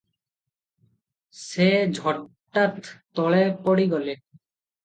ସେ ଝଟାତ୍ ତଳେ ପଡ଼ି ଗଲେ ।